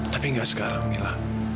tapi enggak sekarang mila